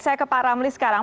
saya ke pak ramli sekarang